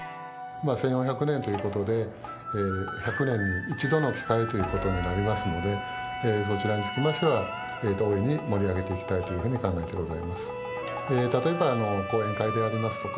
１，４００年ということで１００年に一度の機会ということになりますのでそちらにつきましては大いに盛り上げていきたいというふうに考えてございます。